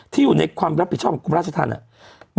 ที่อยู่ในการรับผิดชอบกรุงราชธรรม